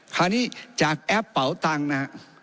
คราวนี้จากแอปเป๋าตังค์นะฮะ